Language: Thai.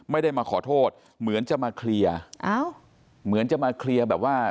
ไม่ได้มาขอโทษเหมือนจะมาเคลียร์อ้าวเหมือนจะมาเคลียร์แบบว่า